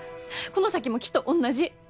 この先もきっと同じ。